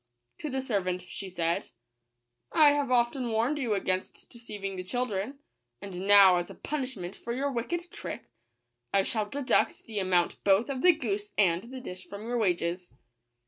To the servant she said, " I have often warned you against deceiving the chil dren; and now, as a punishment for your wicked trick, I shall deduct the amount both of the goose and the dish from your wages."